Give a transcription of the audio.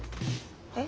えっ？